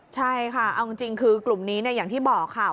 ใช่ค่ะเอาจริงคือกลุ่มนี้อย่างที่บอกค่ะ